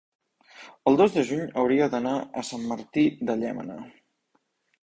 el dos de juny hauria d'anar a Sant Martí de Llémena.